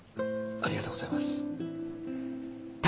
ありがとうございます。